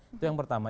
itu yang pertama